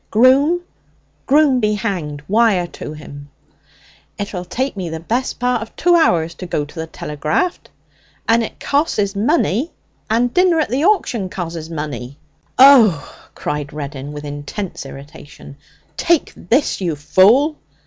'Groom? Groom be hanged! Wire to him.' 'It'll take me the best part of two hour to go and telegrapht. And it cosses money. And dinner at the auction cosses money.' 'Oh!' cried Reddin with intense irritation, 'take this, you fool!'